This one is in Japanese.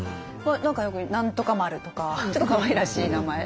よく「何とか丸」とかちょっとかわいらしい名前。